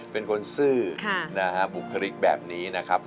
เป็นคนซื่อนะฮะบุคลิกแบบนี้นะครับ